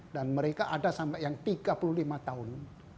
dan mereka ada sampai yang tiga puluh lima tahun